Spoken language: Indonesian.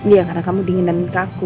iya karena kamu dingin dan kaku